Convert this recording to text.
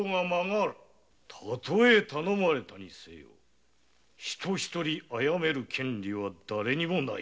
たとえ頼まれたにせよ人を殺める権利はだれにもない。